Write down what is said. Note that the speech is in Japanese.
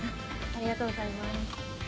ありがとうございます。